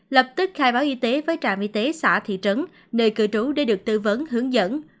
lập tức khai báo y tế với trạm y tế xã thị trấn nơi cư trú để được tư vấn hướng dẫn